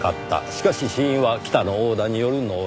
しかし死因は北の殴打による脳挫傷。